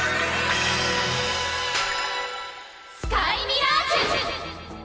スカイミラージュ！